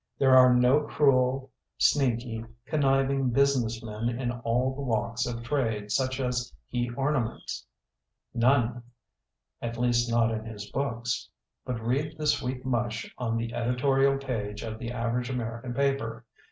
There are no cruel, sneaky, con* niving business men in all the walks of trade such as he ornaments, none — at least not in his books. But read the sweet mush on the editorial page of the average American paper.